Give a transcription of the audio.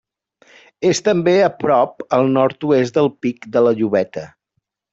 És també a prop al nord-oest del Pic de la Llobeta.